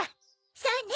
そうね。